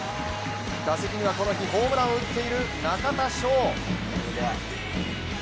打席にはこの日、ホームランを打っている中田翔。